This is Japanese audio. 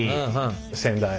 先代。